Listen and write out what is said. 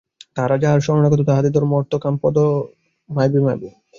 তাঁহার যাহারা শরণাগত, তাহাদের ধর্ম অর্থ কাম মোক্ষ পদতলে, মাভৈ মাভৈঃ।